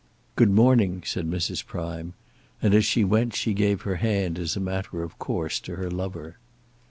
"Good morning," said Mrs. Prime; and as she went she gave her hand as a matter of course to her lover.